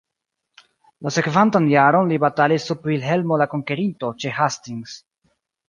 La sekvantan jaron li batalis sub Vilhelmo la Konkerinto ĉe Hastings.